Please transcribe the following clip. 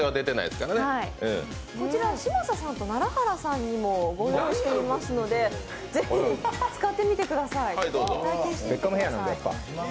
こちら、嶋佐さんと楢原さんにもご用意してますので是非使ってみてください。